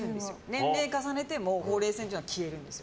年齢を重ねてもほうれい線というのは消えたんです。